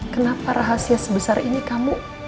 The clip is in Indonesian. kenapa rahasia sebesar ini kamu